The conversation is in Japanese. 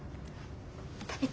食べて。